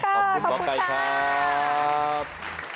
ขอบคุณหมอไก่ครับ